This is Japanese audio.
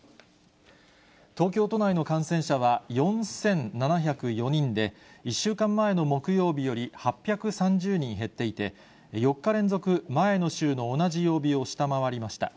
東京都内の感染者は、４７０４人で、１週間前の木曜日より８３０人減っていて、４日連続前の週の同じ曜日を下回りました。